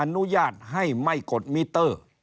อนุญาตให้ไม่กดมิเตอร์